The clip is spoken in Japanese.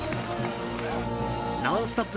「ノンストップ！」